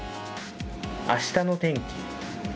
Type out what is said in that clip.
あしたの天気。